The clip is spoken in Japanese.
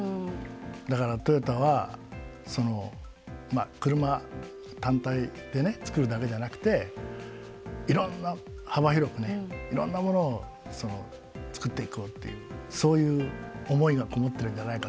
だからトヨタは車単体でね作るだけじゃなくていろんな幅広くねいろんなものを作っていこうっていうそういう思いが籠もってるんじゃないかと思いますけどね。